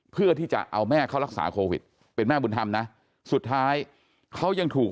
เพื่อที่จะเอาแม่เขารักษาโควิดเป็นแม่บุญธรรมนะสุดท้ายเขายังถูก